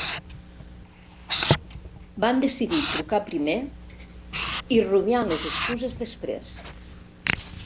Van decidir trucar primer i rumiar les excuses després.